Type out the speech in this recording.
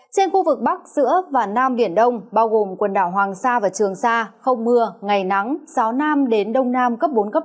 trên khu vực bắc giữa và nam biển đông bao gồm quần đảo hoàng sa và trường sa không mưa ngày nắng gió nam đến đông nam cấp bốn cấp năm